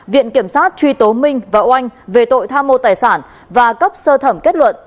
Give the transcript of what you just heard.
viện kiểm sát truy tố minh và oanh về tội tham mô tài sản và cấp sơ thẩm kết luận